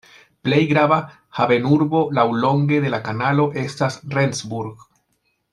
Plej grava havenurbo laŭlonge de la kanalo estas Rendsburg.